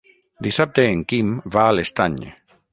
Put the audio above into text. Dissabte en Quim va a l'Estany.